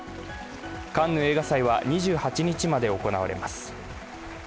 カンヌ映画祭は２８日まで行われます。